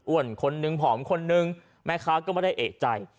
คนนึงผอมคนนึงแม่ค้าก็ไม่ได้เอกใจ